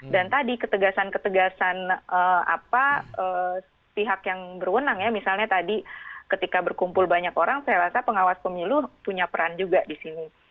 dan tadi ketegasan ketegasan apa pihak yang berwenang ya misalnya tadi ketika berkumpul banyak orang saya rasa pengawas pemilu punya peran juga di sini